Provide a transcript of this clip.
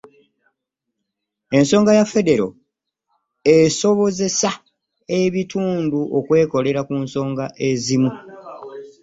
Enkola ya ffedero esobozesa ebitundu okwekolera ku nsonga ezimu